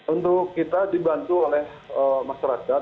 untuk kita dibantu oleh masyarakat